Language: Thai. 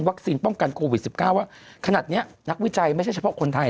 ป้องกันโควิด๑๙ว่าขนาดนี้นักวิจัยไม่ใช่เฉพาะคนไทย